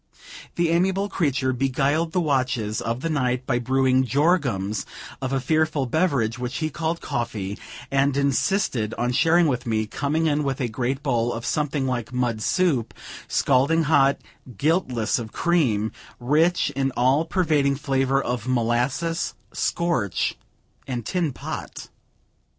The amiable creature beguiled the watches of the night by brewing jorums of a fearful beverage, which he called coffee, and insisted on sharing with me; coming in with a great bowl of something like mud soup, scalding hot, guiltless of cream, rich in an all pervading flavor of molasses, scorch and tin pot.